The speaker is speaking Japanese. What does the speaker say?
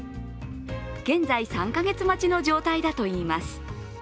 現在３か月待ちの状態だといいます